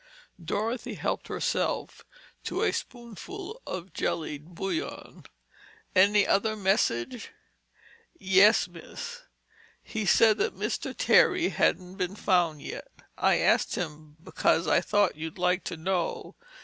Dorothy helped herself to a spoonful of jellied bouillon. "Any other message?" "Yes, miss. He said that Mister Terry hadn't been found yet. I asked him b'cause I thought you'd like to know.